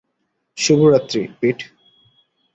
শুভরাত্রি, পিট।